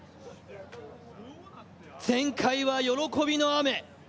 前回は喜びの雨。